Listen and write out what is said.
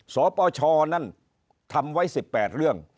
สปชนั่นทำไว้๑๘เรื่อง